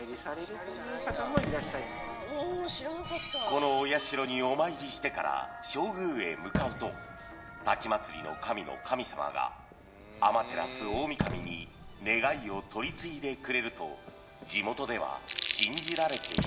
［このお社にお参りしてから正宮へ向かうと瀧祭神の神様が天照大御神に願いを取り次いでくれると地元では信じられているという］